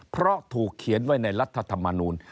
เพราะถูกเขียนไว้ในรัฐธรรมนูล